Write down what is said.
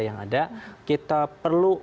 yang ada kita perlu